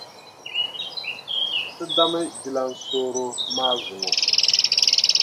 Ti dami jilansooro maa zuŋɔ.